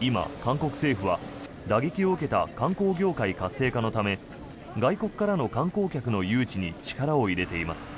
今、韓国政府は打撃を受けた観光業界活性化のため外国からの観光客の誘致に力を入れています。